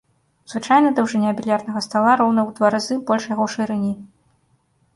Звычайна даўжыня більярднага стала роўна ў два разы больш яго шырыні.